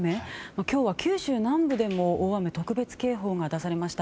今日は九州南部でも大雨特別警報が出されました。